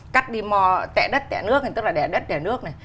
cắt đi mò tẻ đất tẻ nước này tức là tẻ đất tẻ nước này